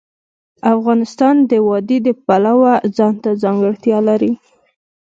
افغانستان د وادي د پلوه ځانته ځانګړتیا لري.